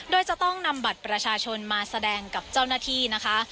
โดยจะต้องนำบัตรประชาชนมาแสดงกับเจ้าหน้าที่นะคะ